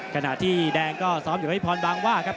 ขณะที่แดงก็ซ้อมอยู่กับพี่พรบางว่าครับ